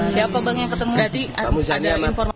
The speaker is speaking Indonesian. siapa yang ketemu tadi